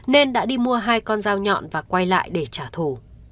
nên đã đi mua hai con dao nhọn và quay lại để trả thù